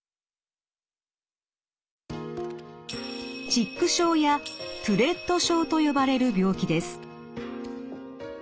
チック症やトゥレット症と呼ばれる病気です。